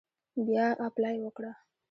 بیا اپلای وکړه.